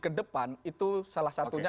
ke depan itu salah satunya